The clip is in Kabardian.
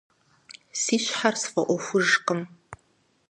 Си щхьэр сфӀэӀуэхужкъым.